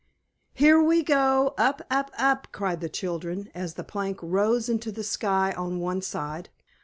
"Here we go up, up, up!" cried the children, as the plank rose into the sky on one side.